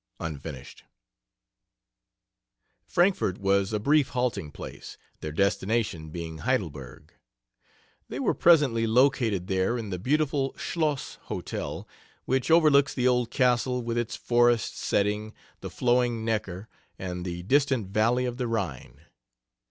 (Unfinished) Frankfort was a brief halting place, their destination being Heidelberg. They were presently located there in the beautiful Schloss hotel, which overlooks the old castle with its forest setting, the flowing Neckar, and the distant valley of the Rhine.